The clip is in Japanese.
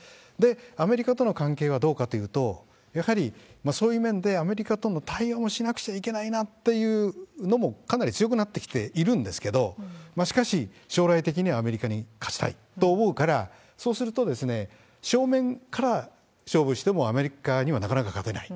アメリカとの関係はどうかというと、やはり、そういう面でアメリカとも対応をしなくちゃいけないなっていうのも、かなり強くなってきているんですけれども、しかし、将来的にはアメリカに勝ちたいと思うから、そうすると、正面から勝負してもアメリカにはなかなか勝てない。